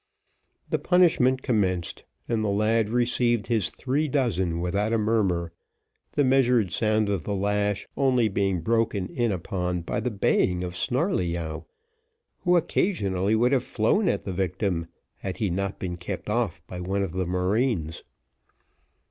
The punishment commenced, and the lad received his three dozen without a murmur, the measured sound of the lash only being broken in upon by the baying of Snarleyyow, who occasionally would have flown at the victim, had he not been kept off by one of the marines.